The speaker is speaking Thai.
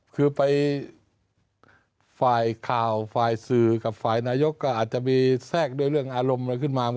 คือไปฝ่ายข่าวฝ่ายสื่อกับฝ่ายนายกก็อาจจะมีแทรกด้วยเรื่องอารมณ์อะไรขึ้นมา